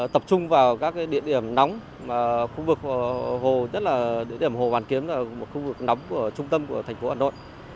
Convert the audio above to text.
tập trung vào các địa điểm nóng khu vực hồ hoàn kiếm là một khu vực nóng của trung tâm của thành phố hà nội